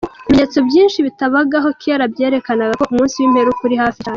Ibimenyetso byinshi bitabagaho kera, byerekana ko umunsi w’imperuka uri hafi cyane.